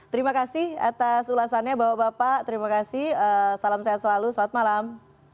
terima kasih atas ulasannya bapak bapak terima kasih salam sehat selalu selamat malam